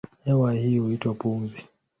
Hewa hii huitwa pumzi.